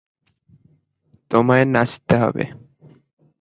তোমায় নাচতে হবে।